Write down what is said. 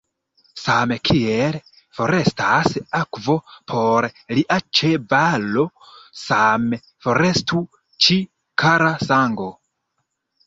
Same kiel forestas akvo por lia ĉevalo, same forestu ci, kara sango!